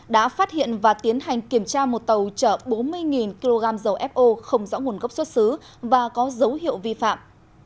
đã phát hiện và tiến hành kiểm tra một tàu chở bốn mươi kg dầu fo không rõ nguồn gốc xuất xứ và có dấu hiệu vi phạm